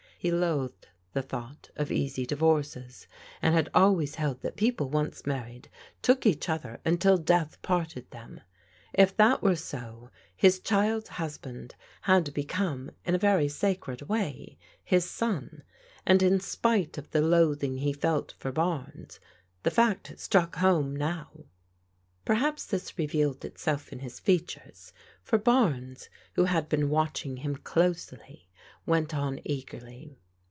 He loathed the thought of easy divorces, and had always held that people once married took each other until death parted them. If that were so, his child's husband had become, in a very sacred way, his son, and in spite of the loathing he felt for Barnes the fact struck home now. JIM'S APPEAL FOB HELP 281 Perhaps this revealed itself in his features, for Barnes, who had been watching him closely, went on eagerly.